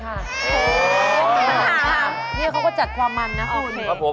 คำนี้เขาก็จัดความมันน่ะคุณ